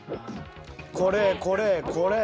これこれこれ。